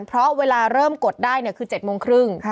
เพราะเวลาเริ่มกดได้เนี่ยคือ๑๙๓๐น